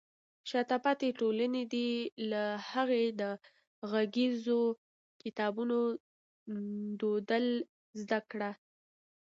شاته پاتې ټولنې دې له هغې د غږیزو کتابونو دودول زده کړي.